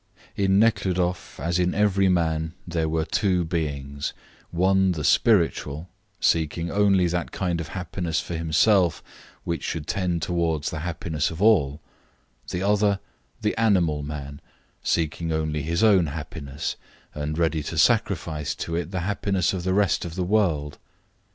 In Nekhludoff, as in every man, there were two beings: one the spiritual, seeking only that kind of happiness for him self which should tend towards the happiness of all; the other, the animal man, seeking only his own happiness, and ready to sacrifice to it the happiness of the rest of the world.